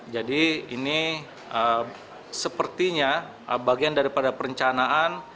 jadi ini sepertinya bagian daripada perencanaan